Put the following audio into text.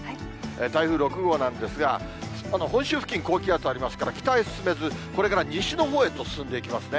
台風６号なんですが、本州付近、高気圧ありますから、北へ進めず、これから西のほうへと進んでいきますね。